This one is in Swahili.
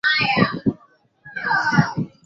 Binamu anaruka